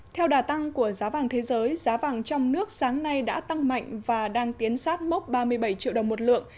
theo đà tăng của giá vàng thế giới giá vàng trong nước sáng nay đã tăng mạnh và đang tiến sát mốc ba mươi bảy triệu đồng một lượng